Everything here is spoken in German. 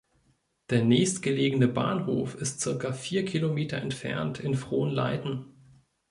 Der nächstgelegene Bahnhof ist circa vier Kilometer entfernt in Frohnleiten.